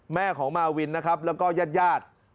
แม่ของมาวินและญาติ